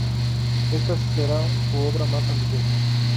Esta será su obra más ambiciosa.